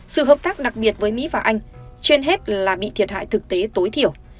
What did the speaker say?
sự hợp tác đặc biệt với mỹ và anh trên hết là bị thiệt hại thực tế tối thiểu